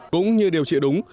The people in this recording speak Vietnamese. cũng như điều trị đúng